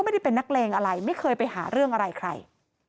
ไม่ได้เป็นนักเลงอะไรไม่เคยไปหาเรื่องอะไรใคร